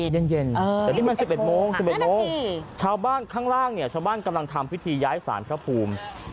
เย็นแต่นี่มัน๑๑โมง๑๑โมงชาวบ้านข้างล่างเนี่ยชาวบ้านกำลังทำพิธีย้ายสารพระภูมิ